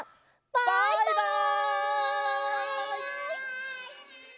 バイバイ！